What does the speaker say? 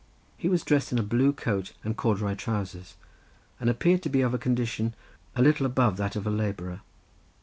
He was dressed in a blue coat and corduroy trowsers and appeared to be of a condition a little above that of a labourer.